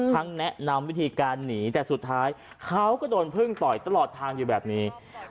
แนะนำวิธีการหนีแต่สุดท้ายเขาก็โดนพึ่งต่อยตลอดทางอยู่แบบนี้